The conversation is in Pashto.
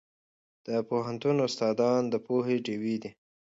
د پوهنتون استادان د پوهې ډیوې دي.